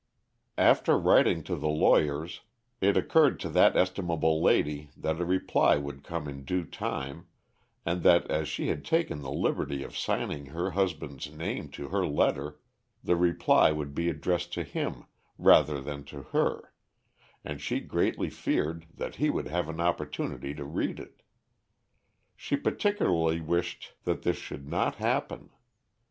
After writing to the lawyers, it occurred to that estimable lady that a reply would come in due time, and that as she had taken the liberty of signing her husband's name to her letter, the reply would be addressed to him rather than to her, and she greatly feared that he would have an opportunity to read it. She particularly wished that this should not happen.